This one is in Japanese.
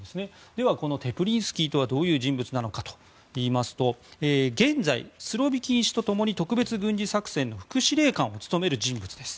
では、テプリンスキーとはどういう人物かといいますと現在、スロビキン氏と共に特別軍事作戦の副司令官を務める人物です。